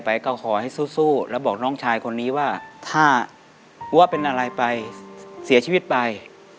ไปก็ขอให้สู้แล้วบอกน้องชายคนนี้ว่าถ้าอัวเป็นอะไรไปเสียชีวิตไป